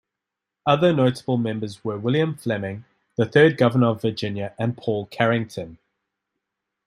Other notable members were William Fleming, the third governor of Virginia and Paul Carrington.